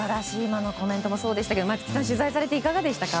今のコメントもそうでしたけど松木さん、取材されていかがでしたか？